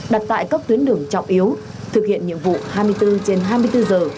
đặt tại các tuyến đường trọng yếu thực hiện nhiệm vụ hai mươi bốn trên hai mươi bốn giờ